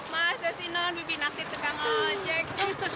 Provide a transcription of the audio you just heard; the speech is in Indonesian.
masa sih nen mimpi naksir tukang ojek